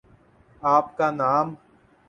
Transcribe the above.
آپ کا نام؟